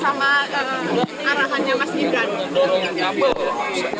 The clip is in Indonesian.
sama enggak sama arahannya mas gibran